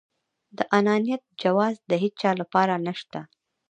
د انانيت جواز د هيچا لپاره نشته.